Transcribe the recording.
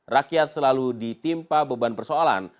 rakyat selalu ditimpa beban persoalan